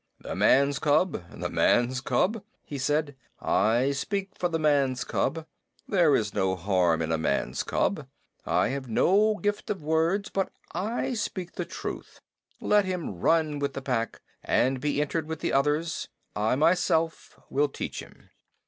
"The man's cub the man's cub?" he said. "I speak for the man's cub. There is no harm in a man's cub. I have no gift of words, but I speak the truth. Let him run with the Pack, and be entered with the others. I myself will teach him."